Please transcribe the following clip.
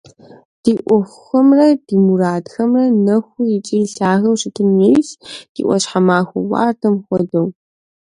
Ди ӏуэхухэмрэ ди мурадхэмрэ нэхуу икӏи лъагэу щытын хуейщ, ди ӏуащхьэмахуэ уардэм хуэдэу.